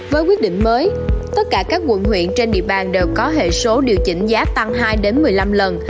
với quyết định mới tất cả các quận huyện trên địa bàn đều có hệ số điều chỉnh giá tăng hai đến một mươi năm lần